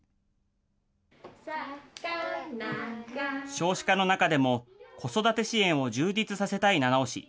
少子化の中でも、子育て支援を充実させたい七尾市。